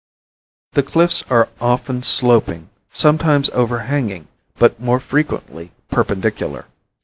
The cliffs are often sloping, sometimes overhanging, but more frequently perpendicular.